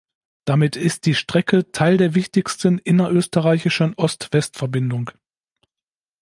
Damit ist diese Strecke Teil der wichtigsten innerösterreichischen Ost-West-Verbindung.